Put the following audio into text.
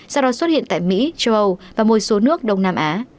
sau đó xuất hiện tại mỹ châu âu và một số nước đông nam á